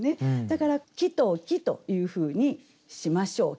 だから「木と木」というふうにしましょう。